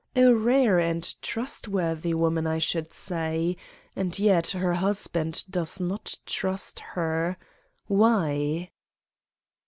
A rare and trustworthy woman I should say, and yet her husband does not trust her. Why?